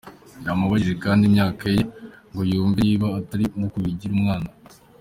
yamubajije kandi imyaka ye ngo yumve niba atari mukuru wigira umwana.